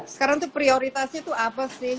sekarang itu prioritasnya apa sih